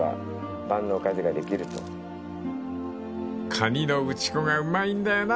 ［カニの内子がうまいんだよなあ］